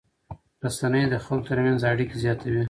رسنۍ د خلکو تر منځ اړیکې زیاتوي.